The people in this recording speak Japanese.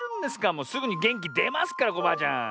もうすぐにげんきでますからコバアちゃん。